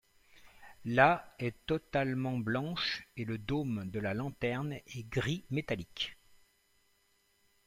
La est totalement blanche et le dôme de la lanterne est gris métallique.